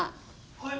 はい。